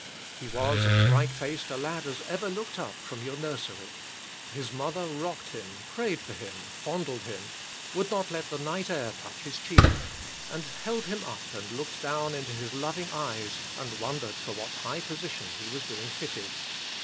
He was as bright faced a lad as ever looked up from your nursery. His mother rocked him, prayed for him, fondled him, would not let the night air touch his cheek, and held him up and looked down into his loving eyes, and wondered for what high position he was being fitted.